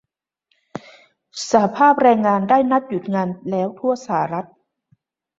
สหภาพแรงงานได้นัดหยุดงานทั่วสหรัฐ